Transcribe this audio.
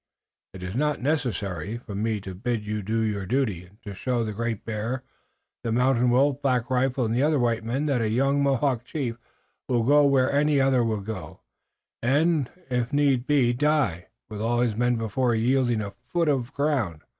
It is not necessary for me to bid you do your duty and show to the Great Bear, the Mountain Wolf, Black Rifle and the other white men that a young Mohawk chief will go where any other will go, and if need be will die with all his men before yielding a foot of ground.